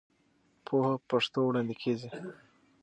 پوهه په پښتو وړاندې کېږي.